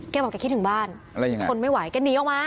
บอกแกคิดถึงบ้านทนไม่ไหวแกหนีออกมา